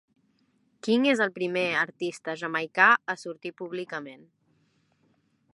King és el primer artista jamaicà a sortir públicament.